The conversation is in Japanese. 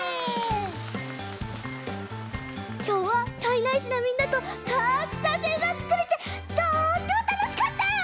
きょうは胎内市のみんなとたくさんせいざをつくれてとってもたのしかったよ！